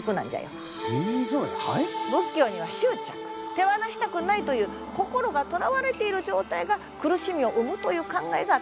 手放したくないという心がとらわれている状態が苦しみを生むという考えがあってな。